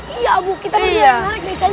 iya bu kita punya beca ini